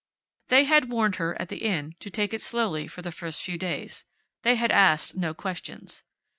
They had warned her, at the Inn, to take it slowly for the first few days. They had asked no questions.